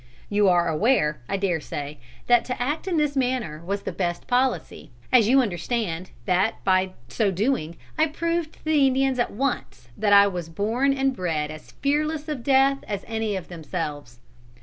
You are aware, I daresay, that to act in this manner was the best policy, as you understand that by so doing, I proved to the Indians at once that I was born and bred as fearless of death as any of themselves.